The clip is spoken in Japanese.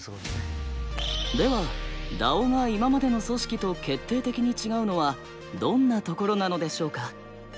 ではＤＡＯが今までの組織と決定的に違うのはどんなところなのでしょうか。